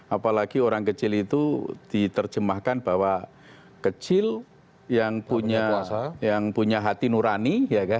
apalagi orang kecil itu diterjemahkan bahwa kecil yang punya hati nurani